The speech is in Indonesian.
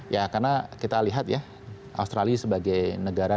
ya karena kita lihat ya australia sebagai negara